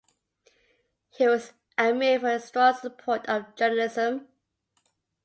He was admired for his strong support of journalism.